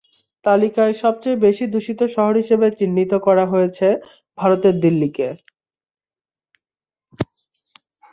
তালিকায় সবচেয়ে বেশি দূষিত শহর হিসেবে চিহ্নিত করা হয়েছে ভারতের দিল্লিকে।